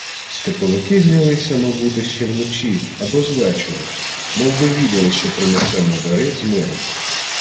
— Степовики знялися, мабути, ще вночі або звечору. Мовби відали, що принесемо дари з миром.